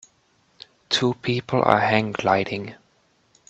Two people are hang gliding.